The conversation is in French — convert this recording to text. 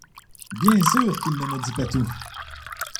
Bien sûr qu’il ne me dit pas tout!